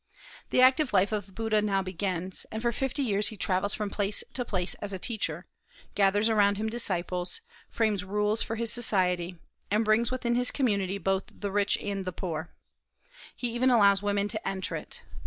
The active life of Buddha now begins, and for fifty years he travels from place to place as a teacher, gathers around him disciples, frames rules for his society, and brings within his community both the rich and poor. He even allows women to enter it.